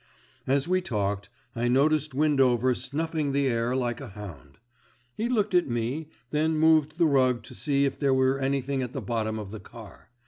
As we talked I noticed Windover snuffing the air like a hound. He looked at me, then moved the rug to see if there were anything at the bottom of the car.